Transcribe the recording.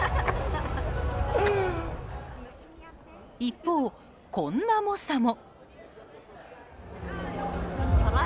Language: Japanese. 一方、こんな猛者も。